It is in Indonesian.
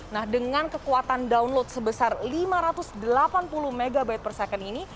nah dengan kekuatan download sebesar lima ratus delapan puluh mb per second ini